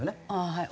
はい。